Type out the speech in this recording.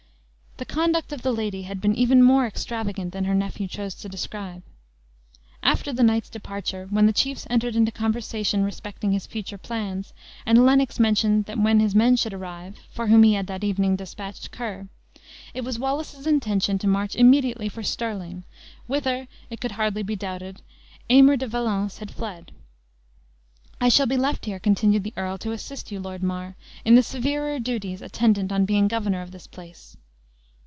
The conduct of the lady had been even more extravagant than her nephew chose to describe. After the knight's departure, when the chiefs entered into conversation respecting his future plans, and Lennox mentioned that when his men should arrive (for whom he had that evening dispatched Ker), it was Wallace's intention to march immediately for Stirling, whither, it could hardly be doubted, Aymer de Valence had fled, "I shall be left here," continued the earl, "to assist you, Lord Mar, in the severer duties attendant on being governor of this place."